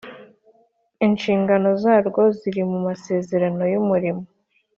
inshingano zarwo ziri mu masezerano y’umurimo